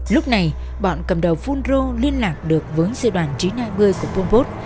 lúc này bọn cầm đầu fungro liên lạc được với sư đoàn chín trăm hai mươi của pol pot